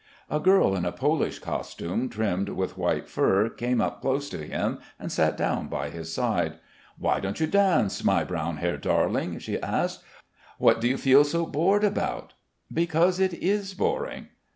A girl in a Polish costume trimmed with white fur came up close to him and sat down by his side. "Why don't you dance, my brown haired darling?" she asked. "What do you fed so bored about?" "Because it is boring."